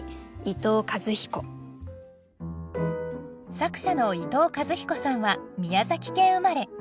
作者の伊藤一彦さんは宮崎県生まれ。